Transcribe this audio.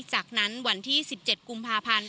จากนั้นวันที่๑๗กุมภาพันธ์